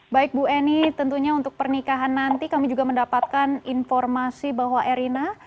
baik bu eni tentunya untuk pernikahan nanti kami juga mendapatkan informasi bahwa erina